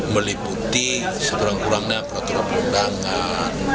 meliputi seberang berangnya peraturan perundangan